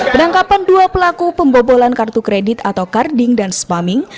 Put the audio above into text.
penangkapan dua pelaku pembobolan kartu kredit atau karding dan spamming